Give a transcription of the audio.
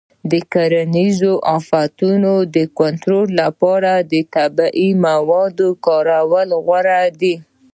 د کرنیزو آفتونو د کنټرول لپاره د طبیعي موادو کارول غوره دي.